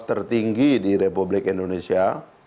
tertinggi di republik indonesia